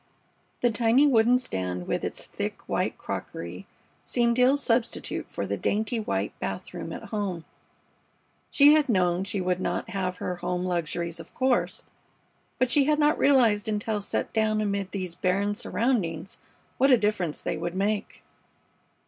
The tiny wooden stand with its thick, white crockery seemed ill substitute for the dainty white bath room at home. She had known she would not have her home luxuries, of course, but she had not realized until set down amid these barren surroundings what a difference they would make.